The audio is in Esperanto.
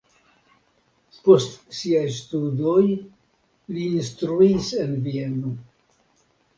Post siaj studoj li instruis en Vieno.